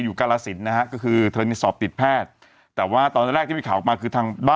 เยอะมากเป็น๑๐๐ละ